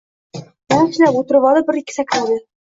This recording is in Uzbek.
Yaxshilab o`tirvolib, bir-ikki sakradi